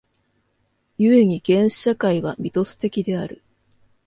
故に原始社会はミトス的である。